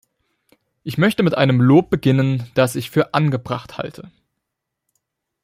Ich möchte mit einem Lob beginnen, das ich für angebracht halte.